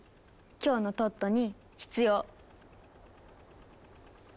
今日のトットに必要！